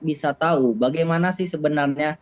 bisa tahu bagaimana sih sebenarnya